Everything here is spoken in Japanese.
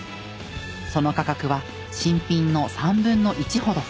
その価格は新品の３分の１ほど。